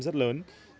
rất là nhiều